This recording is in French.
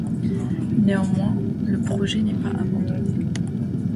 Néanmoins, le projet n'est pas abandonné.